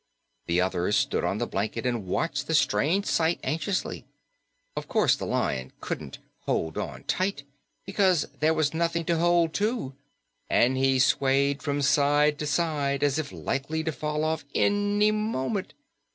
The others stood on the blanket and watched the strange sight anxiously. Of course, the Lion couldn't "hold on tight" because there was nothing to hold to, and he swayed from side to side as if likely to fall off any moment.